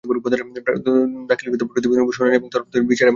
দাখিলকৃত প্রতিবেদনের ওপর শুনানি এবং তৎপরবর্তী বিচার এবং রায় প্রদান এখনো হয়নি।